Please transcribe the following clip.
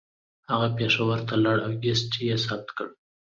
هغه پېښور ته لاړ او کیسټ یې ثبت کړه